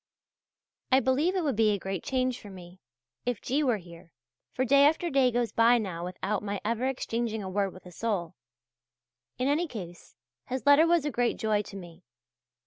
I believe it would be a great change for me, if G. were here, for day after day goes by now without my ever exchanging a word with a soul. In any case his letter was a great joy to me.